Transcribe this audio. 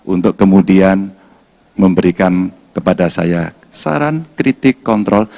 untuk kemudian memberikan kepada saya saran kritik kontrol